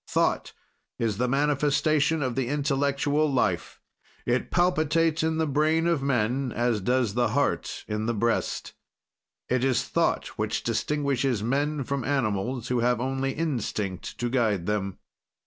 "Thought is the manifestation of the intellectual life; it palpitates in the brain of men as does the heart in the breast. "It is thought which distinguishes men from animals, who have only instinct to guide them.